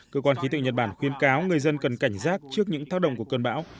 cơ quan khí tự nhật bản khuyên cáo người dân cần cảnh giác trước những thác động của cơn bão